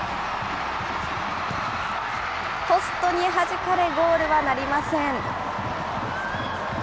ポストにはじかれ、ゴールはなりません。